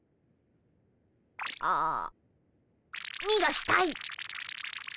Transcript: ああみがきたい。